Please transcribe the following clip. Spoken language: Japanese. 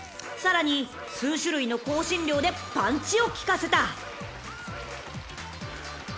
［さらに数種類の香辛料でパンチをきかせた］